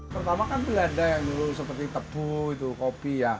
pertama kan belanda yang dulu seperti tebu itu kopi ya